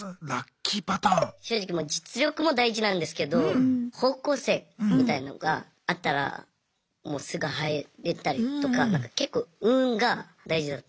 正直実力も大事なんですけど方向性みたいのが合ったらもうすぐ入れたりとか結構運が大事だと思います。